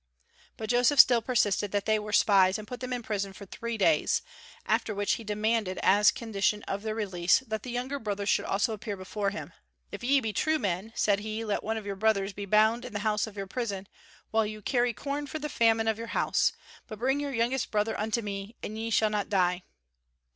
But Joseph still persisted that they were spies, and put them in prison for three days; after which he demanded as the condition of their release that the younger brother should also appear before him. "If ye be true men," said he, "let one of your brothers be bound in the house of your prison, while you carry corn for the famine of your house; but bring your youngest brother unto me, and ye shall not die."